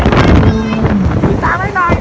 แต่ว่าเมืองนี้ก็ไม่เหมือนกับเมืองอื่น